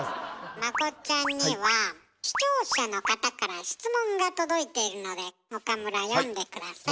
まこっちゃんには視聴者の方から質問が届いているので岡村読んで下さい。